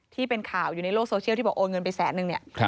ที่เป็นข่าวอยู่ในโลกโซเชียลที่บอกโอนเงินไปแสนนึงเนี่ย